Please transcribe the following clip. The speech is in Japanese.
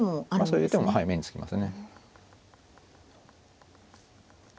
そういう手もはい目につきますね。